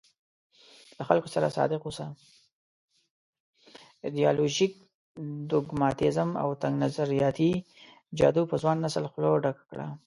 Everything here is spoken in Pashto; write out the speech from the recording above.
ایډیالوژيک ډوګماتېزم او تنګ نظریاتي جادو په ځوان نسل خوله ډکه کړه.